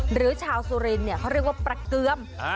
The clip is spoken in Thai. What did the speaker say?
หรือชาวสุรินเขาเรียกว่าประเกือม